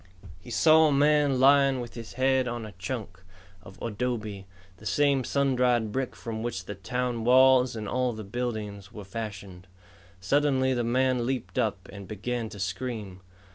He saw a man lying with his head on a chunk of adobe, the same sun dried brick from which the town walls and all the buildings were fashioned. Suddenly the man leaped up and began to scream.